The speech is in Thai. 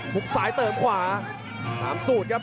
มุงสายเติมขวา๓สุดครับ